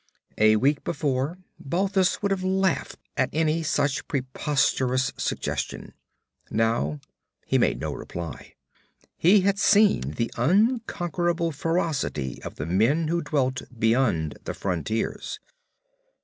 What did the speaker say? A week before, Balthus would have laughed at any such preposterous suggestion. Now he made no reply. He had seen the unconquerable ferocity of the men who dwelt beyond the frontiers.